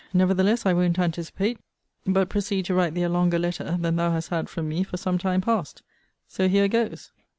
Nevertheless I won't anticipate, but proceed to write thee a longer letter than thou hast had from me for some time past. So here goes.